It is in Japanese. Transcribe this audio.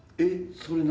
それ何？